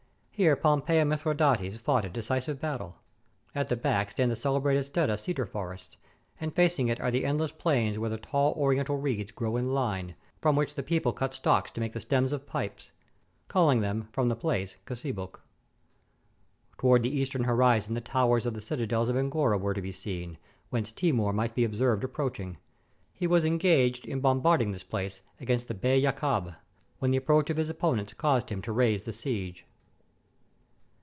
Here Pom pey and Mithridates fought a decisive battle! At the back stand the celebrated Stetta cedar forests, and fac ing it are the endless plains where the tall Oriental reeds grow in line, from which the people cut stalks to make the stems of pipes, calling them, from the place, Csibuk. Towards the eastern horizon the towers of the citadels of Angora were to be seen, whence Timur might be observed approaching. He was engaged in bombarding this place against the Bey Yakab, when the approach of his opponent caused him to raise the siege.